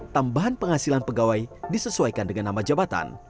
tambahan penghasilan pegawai disesuaikan dengan nama jabatan